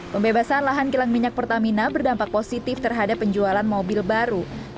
pembebasan lahan kilang minyak pertamina berdampak positif terhadap penjualan mobil baru